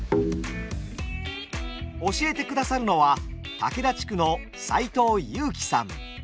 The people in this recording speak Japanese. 教えてくださるのは竹田地区の齋藤悠輝さん。